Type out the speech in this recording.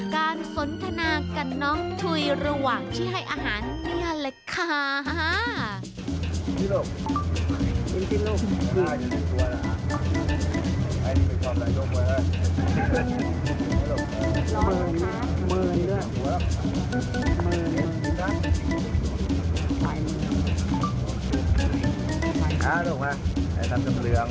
การสนทนากันน้องถุยระหว่างที่ให้อาหารเงียนล่ะคะ